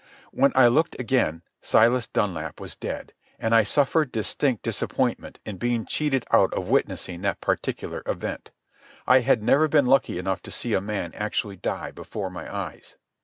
When I looked again Silas Dunlap was dead, and I suffered distinct disappointment in being cheated out of witnessing that particular event. I had never been lucky enough to see a man actually die before my eyes.